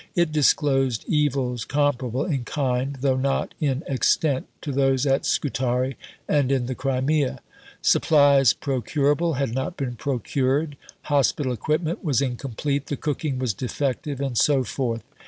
It disclosed evils comparable in kind, though not in extent, to those at Scutari and in the Crimea. Supplies procurable had not been procured. Hospital equipment was incomplete. The cooking was defective, and so forth.